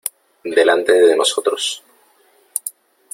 delante de nosotros .